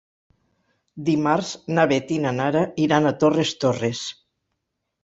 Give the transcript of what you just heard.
Dimarts na Beth i na Nara iran a Torres Torres.